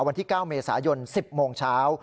วันที่๙เมษายน๑๐โมงเช้า